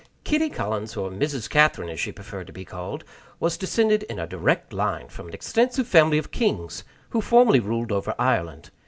Kitty Collins, or Mrs. Catherine, as she preferred to be called, was descended in a direct line from an extensive family of kings who formerly ruled over Ireland.